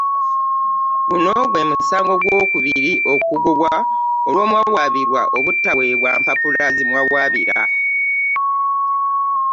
Guno gw'emusango ogw'okubiri okugobwa olw'omuwawaabirwa obutaweebwa mpapula. zimuwawaabira